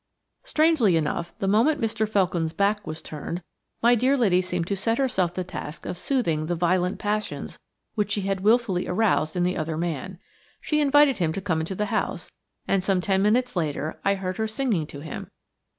Strangely enough, the moment Mr. Felkin's back was turned my dear lady seemed to set herself the task of soothing the violent passions which she had wilfully aroused in the other man. She invited him to come into the house, and, some ten minutes later, I heard her singing to him.